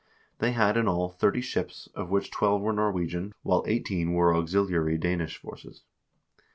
They had in all thirty ships, of which twelve were Norwegian, while eighteen were auxiliary Danish forces.